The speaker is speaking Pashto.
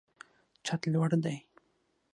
چت لوړ دی.